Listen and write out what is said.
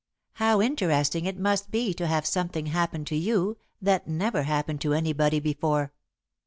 How interesting it must be to have something happen to you that never happened to anybody before!"